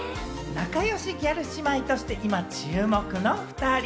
仲良しギャル姉妹として今、注目のおふたり。